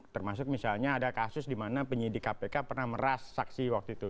termasuk misalnya ada kasus di mana penyidik kpk pernah meras saksi waktu itu